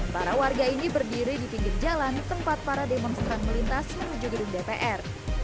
para warga ini berdiri di pinggir jalan tempat para demonstran melintas menuju gedung dpr